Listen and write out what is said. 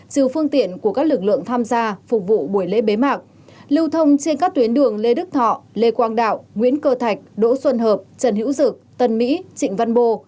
trừ phương tiện của các lực lượng tham gia phục vụ buổi lễ bế mạc lưu thông trên các tuyến đường lê đức thọ lê quang đạo nguyễn cơ thạch đỗ xuân hợp trần hữu dực tân mỹ trịnh văn bồ